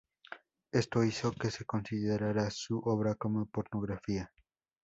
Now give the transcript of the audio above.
Esto hizo que se considerara su obra como pornográfica.